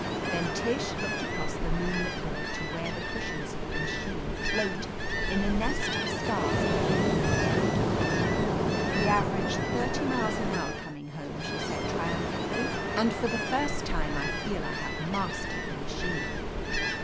Then Tish looked across the moonlit lake to where the cushions of the machine floated in a nest of stars at the end of the ferry dock. "We aver aged thirty miles an hour coming home,!' she said triumphantly, "and for the first time I feel that I have mastered the machine."